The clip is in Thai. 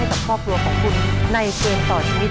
กับครอบครัวของคุณในเกมต่อชีวิต